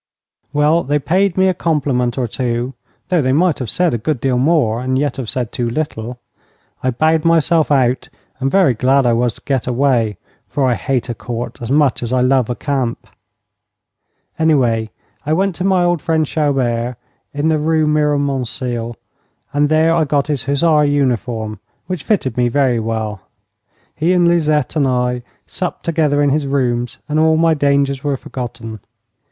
Well, they paid me a compliment or two, though they might have said a good deal more and yet have said too little. I bowed myself out, and very glad I was to get away, for I hate a Court as much as I love a camp. Away I went to my old friend Chaubert, in the Rue Miromesnil, and there I got his hussar uniform, which fitted me very well. He and Lisette and I supped together in his rooms, and all my dangers were forgotten.